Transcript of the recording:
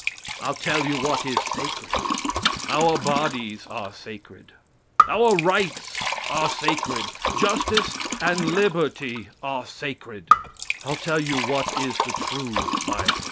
I'll tell you what is sacred. Our bodies are sacred, our rights are sacred, justice and liberty are sacred. I'll tell you what is the true bible.